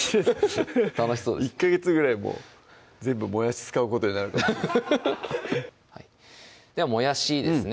ハハハ楽しそうです１ヵ月ぐらいもう全部もやし使うことになるかもしれないではもやしですね